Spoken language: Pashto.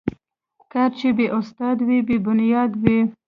کار چې بې استاد وي، بې بنیاد وي.